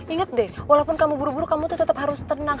ingat deh walaupun kamu buru buru kamu tuh tetap harus tenang